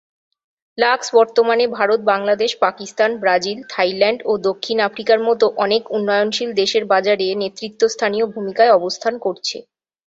Lux বর্তমানে, Bharat, Bangladesh, Pakistan, Brazil, Thailand ও দক্ষিণ আফ্রিকার মত অনেক উন্নয়নশীল দেশের বাজারে নেতৃত্বস্থানীয় ভূমিকায় অবস্থান করছে।